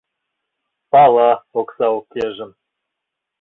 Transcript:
Пала, окса укежым...